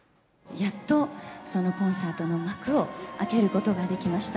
やっとコンサートの幕を開けることができました。